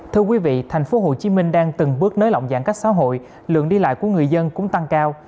thưa quý vị thành phố hồ chí minh đang từng bước nới lỏng giãn cách xã hội lượng đi lại của người dân cũng tăng cao